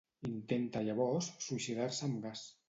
Intenta llavors suïcidar-se amb gas.